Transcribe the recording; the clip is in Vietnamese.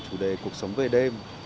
chủ đề cuộc sống về đêm